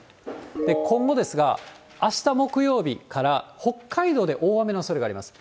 今後ですが、あした木曜日から北海道で大雨のおそれがあります。